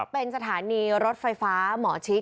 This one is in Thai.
เป็นสถานีรถไฟฟ้าหมอชิด